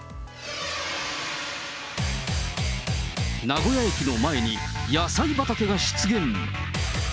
名古屋駅の前に、野菜畑が出現。